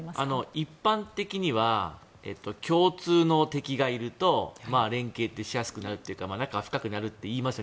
一般的には共通の敵がいると連携ってしやすくなるというか仲が深くなると言いますよね